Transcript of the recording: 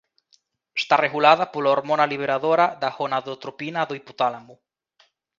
Está regulada pola hormona liberadora da gonadotropina do hipotálamo.